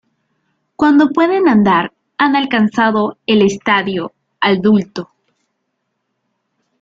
Cuando pueden andar han alcanzado el estadio adulto.